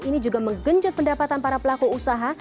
ini juga menggenjot pendapatan para pelaku usaha